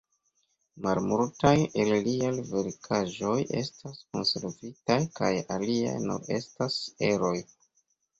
Malmultaj el liaj verkaĵoj estas konservitaj kaj aliaj nur estas eroj.